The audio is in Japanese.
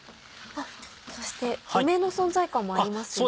そして梅の存在感もありますよね。